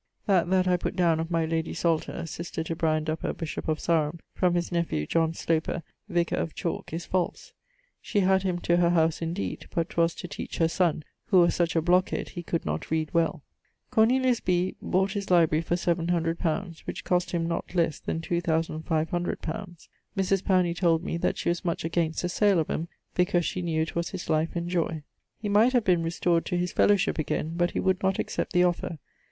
That that I putt downe of my lady Salter (sister to Brian Duppa, bishop of Sarum), from his nephew Sloper, vicar of Chalke, is false. She had him to her house indeed, but 'twas to teach her sonne, who was such a blockhead he could not read well. Cornelius Bee bought his library for 700 li., which cost him not lesse then 2,500 li. Mris Powney told me that she was much against the sale of 'em, because she knew it was his life and joy. He might have been restored to his fellowship again, but he would not accept the offer.